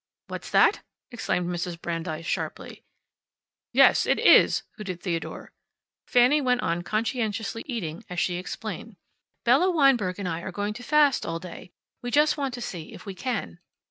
"What's that?" exclaimed Mrs. Brandeis, sharply. "Yes, it is!" hooted Theodore. Fanny went on conscientiously eating as she explained. "Bella Weinberg and I are going to fast all day. We just want to see if we can."